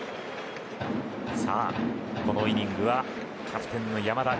さあ、このイニングはキャプテンの山田。